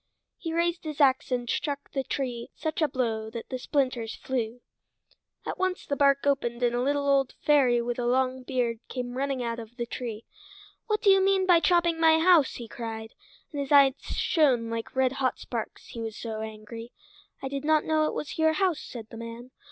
He raised his ax and struck the tree such a blow that the splinters flew. At once the bark opened and a little old fairy with a long beard came running out of the tree. "What do you mean by chopping into my house?" he cried; and his eyes shone like red hot sparks, he was so angry. "I did not know it was your house," said the man.